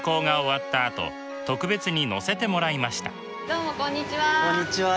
どうもこんにちは。